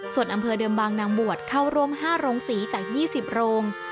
ส่วนอำเภอเดิมบางนางบวชเข้าร่วม๕โรงศรีจาก๒๐โรง